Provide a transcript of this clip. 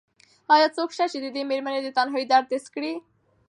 ایا څوک شته چې د دې مېرمنې د تنهایۍ درد حس کړي؟